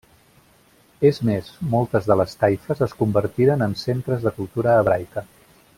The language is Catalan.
És més, moltes de les taifes es convertiren en centres de cultura hebraica.